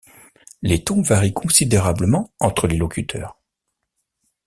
Les tons varient considérablement entre les locuteurs.